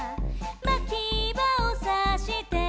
「まきばをさして」